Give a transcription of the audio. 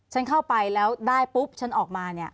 ฉันเข้าไปแล้วได้ปุ๊บฉันออกมาเนี่ย